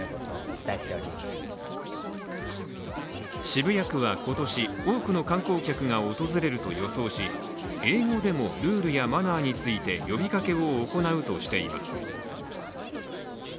渋谷区は今年、多くの観光客が訪れると予想し英語でもルールやマナーについて呼びかけを行うとしています。